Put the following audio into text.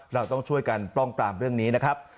เราต้องช่วยกันป้องกล่ามเรื่องนี้